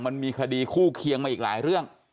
มันมีคดีคู่เคียงมาอีกหลายเรื่อง